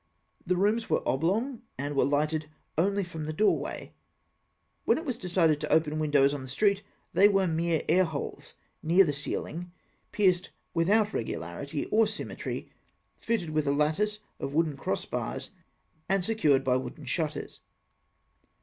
The rooms were oblong, and were lighted only from the doorway; when it was decided to open windows on the street, they were mere air holes near the ceiling, pierced without regularity or symmetry, fitted with a lattice of wooden cross bars, and secured by wooden shutters.